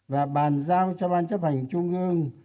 và bàn giao cho ban chấp hành trung ương